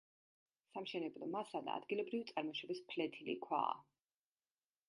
სამშენებლო მასალა ადგილობრივი წარმოშობის ფლეთილი ქვაა.